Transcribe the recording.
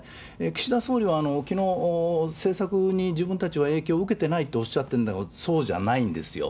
岸田総理は、きのう政策に自分たちは影響受けてないとおっしゃってるんだけれども、そうじゃないんですよ。